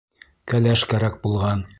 Кәләш кәрәк булған!